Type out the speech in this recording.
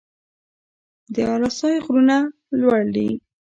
د اله سای غرونه لوړ دي